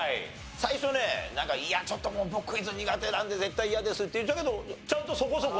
最初ね「いやちょっともう僕クイズ苦手なんで絶対嫌です」って言ってたけどちゃんとそこそこの結果を。